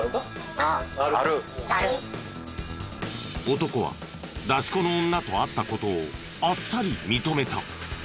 男は出し子の女と会った事をあっさり認めた。